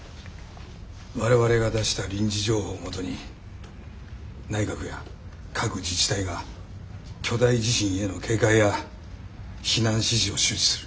我々が出した臨時情報を基に内閣や各自治体が巨大地震への警戒や避難指示を周知する。